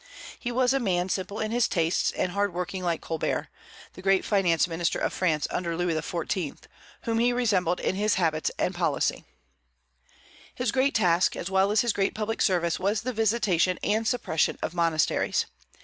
He was a man simple in his tastes, and hard working like Colbert, the great finance minister of France under Louis XIV., whom he resembled in his habits and policy. His great task, as well as his great public service, was the visitation and suppression of monasteries.